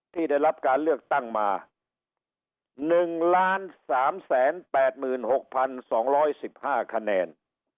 ที่ได้รับการเลือกตั้งมา๑๓๘๖๒๑๕คะแนน